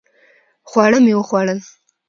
خواړه مې وخوړل